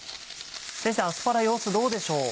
アスパラ様子どうでしょう？